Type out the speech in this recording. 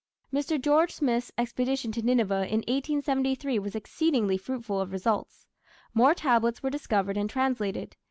Mr. George Smith's expedition to Nineveh in 1873 was exceedingly fruitful of results. More tablets were discovered and translated.